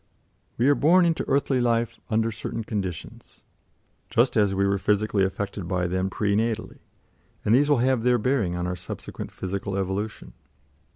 We are born into earthly life under certain conditions, just as we were physically affected by them pre natally, and these will have their bearing on our subsequent physical evolution.